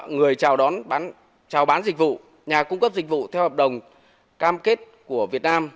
người chào đón chào bán dịch vụ nhà cung cấp dịch vụ theo hợp đồng cam kết của việt nam